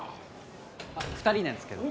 あっ２人なんですけど。